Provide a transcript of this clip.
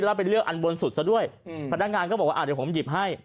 แล้วไปเลือกอันบนสุดซะด้วยพนักงานก็บอกว่าเดี๋ยวผมหยิบให้